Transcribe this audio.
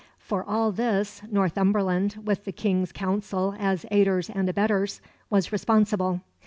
For all this Northumberland, with the King's Council as aiders and abettors, was responsible.